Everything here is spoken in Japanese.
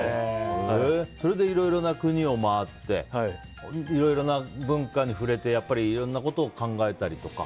それで、いろいろな国を回っていろいろな文化に触れていろんなことを考えたりとか？